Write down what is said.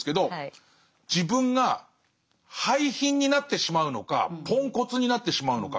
自分が廃品になってしまうのかポンコツになってしまうのか。